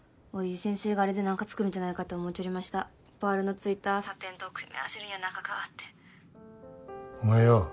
先生があれで何か作るんじゃないかと思うちょりましたパールのついたサテンと組み合わせるんやなかかってお前よ